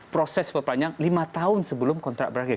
proses perpanjang lima tahun sebelum kontrak berakhir